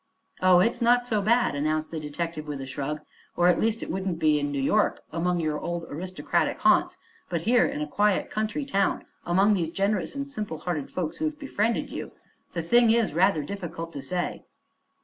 "Oh, it's not so bad," announced the detective, with a shrug; "or at least it wouldn't be in New York, among your old aristocratic haunts. But here, in a quiet country town, among these generous and simple hearted folks who have befriended you, the thing is rather difficult to say."